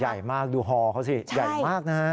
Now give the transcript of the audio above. ใหญ่มากดูฮอเขาสิใหญ่มากนะฮะ